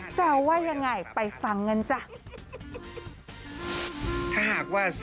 แซวว่ายังไงไปสั่งเงินจ้ะ